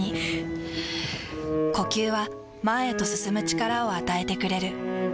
ふぅ呼吸は前へと進む力を与えてくれる。